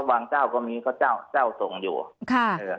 ก็วางเจ้าก็มีเจ้าส่งอยู่